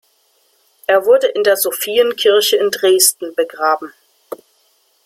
Er wurde in der Sophienkirche in Dresden begraben.